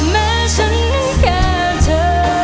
แม้ฉันนั้นแก่เธอ